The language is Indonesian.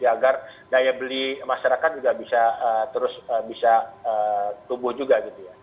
agar daya beli masyarakat juga bisa terus tumbuh juga